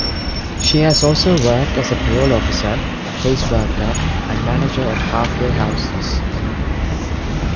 She has also worked as a parole officer, caseworker, and manager of halfway houses.